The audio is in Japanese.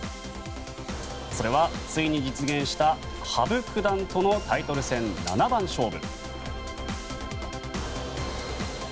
それは、ついに実現した羽生九段とのタイトル戦七番勝負。